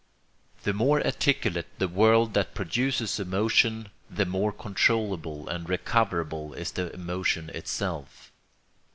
The more articulate the world that produces emotion the more controllable and recoverable is the emotion itself.